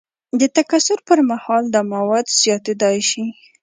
د تکثر پر مهال دا مواد زیاتیدای شي.